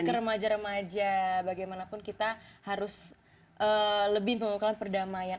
bagi remaja remaja bagaimanapun kita harus lebih mengukurkan perdamaian